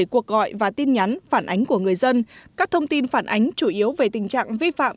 sáu mươi bảy cuộc gọi và tin nhắn phản ánh của người dân các thông tin phản ánh chủ yếu về tình trạng vi phạm